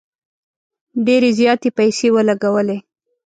ډیري زیاتي پیسې ولګولې.